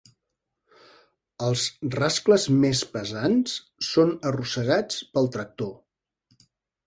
Els rascles més pesants són arrossegats pel tractor.